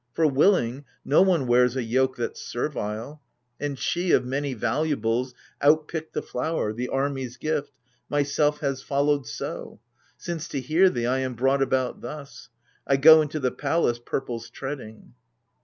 For, willing, no one wears a yoke that's servile : And she, of many valuables, outpicked The flower, the army's gift, myself has followed. So, — since to hear thee, I am brought about thus, — I go into the palace — purples treading.